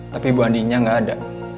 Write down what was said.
tapi bu andinya gak ada